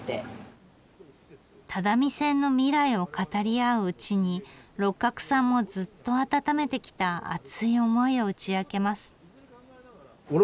只見線の未来を語り合ううちに六角さんもずっと温めてきた熱い思いを打ち明けます。